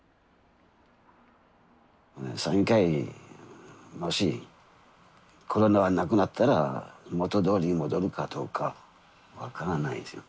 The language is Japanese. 山友会もしコロナがなくなったら元どおりに戻るかどうか分からないですよ。